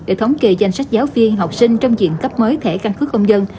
để thống kỳ danh sách giáo viên học sinh trong diện cấp mới thẻ căn cức công dân